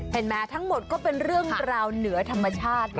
เห็นไหมทั้งหมดก็เป็นเรื่องราวเหนือธรรมชาติ